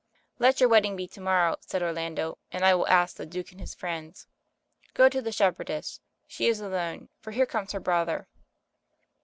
"Let your wedding be to morrow," said Orlando, "and I will ask the Duke and his friends. Go to the shepherdess — she is alone, for here comes her brother."